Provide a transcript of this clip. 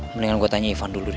mendingan gue tanya ivan dulu deh